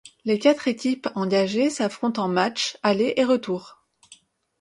Les quatre équipes engagées s'affrontent en matchs aller et retour.